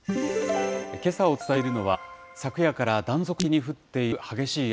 けさお伝えしているのは、昨夜から断続的に降っている激しい雨。